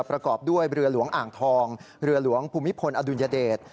ประกอบด้วยเรือหลวงอ่างทองเรือหลวงภูมิพลอดุลยเดช